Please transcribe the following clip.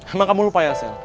emang kamu lupa ya hasil